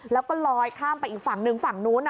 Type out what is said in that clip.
แล้วก็ลอยข้ามไปอีกฝั่งหนึ่งฝั่งนู้น